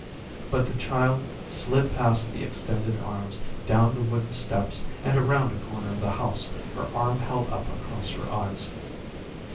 But the child slid past the extended arms, down the wooden steps, and around a corner of the house, her arm held up across her eyes.